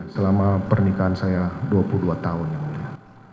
selama pernikahan saya dua puluh dua tahun yang mulia